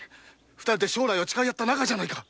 二人で将来を誓い合った仲じゃないか！